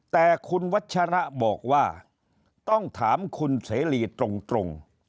แต่คุณวัชระบอกว่าต้องถามคุณเสรีตรง